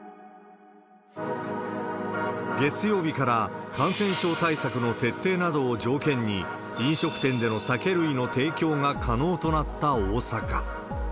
月曜日から感染症対策の徹底などを条件に、飲食店での酒類の提供が可能となった大阪。